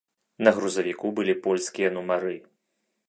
На грузавіку былі польскія нумары.